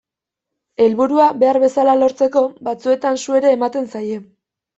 Helburua behar bezala lortzeko, batzuetan su ere ematen zaie.